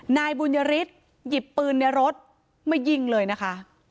นายบุญยฤทธิ์หยิบปืนในรถมายิงเลยนะคะ